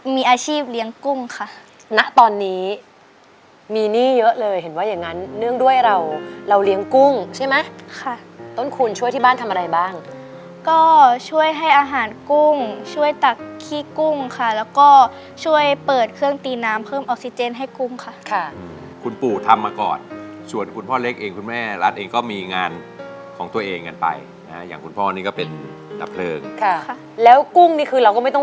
มีอาชีพเลี้ยงกุ้งค่ะณตอนนี้มีหนี้เยอะเลยเห็นว่าอย่างงั้นเนื่องด้วยเราเราเลี้ยงกุ้งใช่ไหมค่ะต้นคูณช่วยที่บ้านทำอะไรบ้างก็ช่วยให้อาหารกุ้งช่วยตักขี้กุ้งค่ะแล้วก็ช่วยเปิดเครื่องตีน้ำเพิ่มออกซิเจนให้กุ้งค่ะค่ะคุณปู่ทำมาก่อนส่วนคุณพ่อเล็กเองคุณแม่รัฐเองก็มีงานของตัวเองกันไปนะฮะอย่างคุณพ่อนี่ก็เป็นดับเพลิงค่ะค่ะแล้วกุ้งนี่คือเราก็ไม่ต้อง